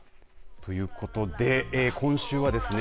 ということで今週はですね